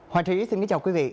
hoàng trí xin kính chào quý vị